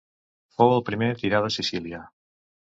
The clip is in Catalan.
Fou el primer tirà de Sicília.